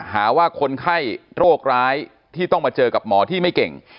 หาว่าคนไข้โรคร้ายที่ต้องมาเจอกับหมอที่ไม่เก่ง